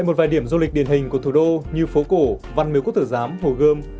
một vài điểm du lịch điển hình của thủ đô như phố cổ văn miếu quốc tử giám hồ gươm